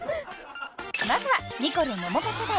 ［まずはニコル・桃華世代］